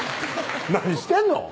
何してんの？